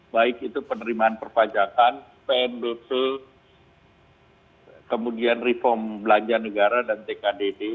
baik itu penerimaan perpajakan pen dose kemudian reform belanja negara dan tkdd